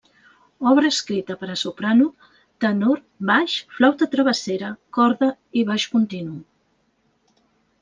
Obra escrita per a soprano, tenor, baix, flauta travessera, corda i baix continu.